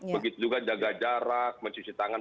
begitu juga jaga jarak mencuci tangan